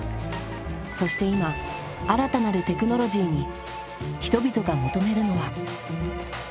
そして今新たなるテクノロジーに人々が求めるのは。